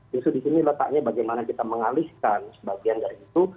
justru disini letaknya bagaimana kita mengalihkan sebagian dari itu